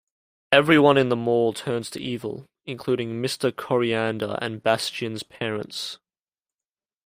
Everyone in the mall turns to evil, including Mr. Koreander and Bastian's parents.